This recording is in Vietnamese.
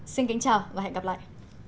xin chào và hẹn gặp lại